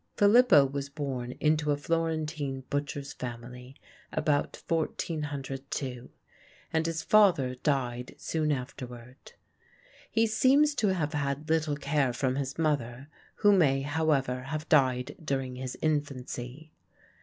Filippo was born into a Florentine butcher's family about 1402, and his father died soon afterward. He seems to have had little care from his mother, who may, however, have died during his infancy.